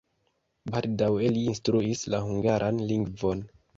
Baldaŭe li instruis la hungaran lingvon.